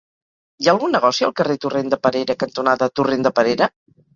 Hi ha algun negoci al carrer Torrent de Perera cantonada Torrent de Perera?